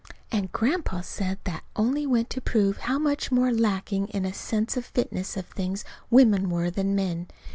And Grandpa said that only went to prove how much more lacking in a sense of fitness of things women were than men.